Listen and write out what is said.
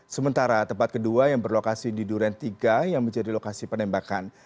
sementara tempat kedua yang berlokasi di duren tiga yang menjadi lokasi penembakan